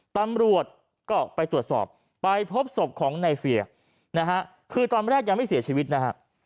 ตำรวจก็ไปตรวจสอบไปพบศพของในเฟียร์นะฮะคือตอนแรกยังไม่เสียชีวิตนะฮะ